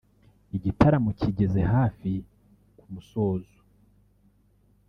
Igitaramo kigeze hafi ku musozo